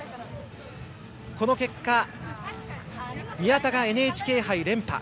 この結果、宮田がＮＨＫ杯連覇。